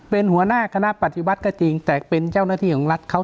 เป็นหัวหน้าคณะปฏิวัติก็จริงแต่เป็นเจ้าหน้าที่ของรัฐเขา